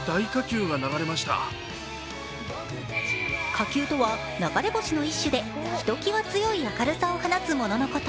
火球とは、流れ星の一種でひときわ強い明るさを放つもののこと。